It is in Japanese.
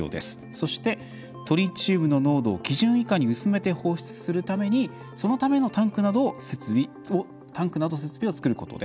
そして、トリチウムの濃度を基準以下に薄めて放出するためにそのためのタンクなど設備をつくることです。